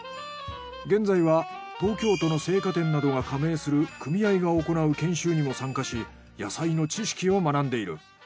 現在は東京都の青果店などが加盟する組合が行う研修にも参加し野菜の知識を学んでいる。